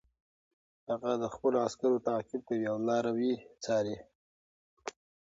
هغه د خپلو عسکرو تعقیب کوي او لاروي څاري.